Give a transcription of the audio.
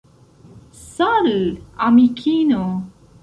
Sal' amikino